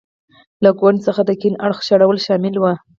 له ګوند څخه د کیڼ اړخو شړل شامل و.